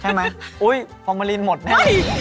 ใช่ไหมอุ๊ยฟองเมลินหมดได้